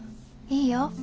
いいよ。